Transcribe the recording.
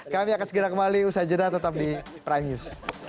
kami akan segera kembali usaha jeda tetap di prime news